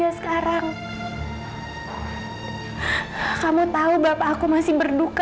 tapi gak sekarang kamu tahu bapak aku masih berduka